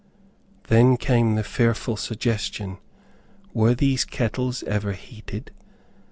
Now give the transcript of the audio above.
Then came the fearful suggestion, were these kettles ever heated?